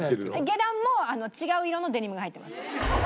下段も違う色のデニムが入ってます。